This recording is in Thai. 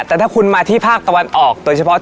แต่ถ้าคุณมาที่ภาคตะวันออก